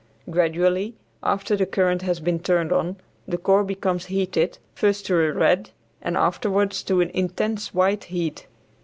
Gradually, after the current has been turned on, the core becomes heated, first to a red, and afterwards to an intense white heat.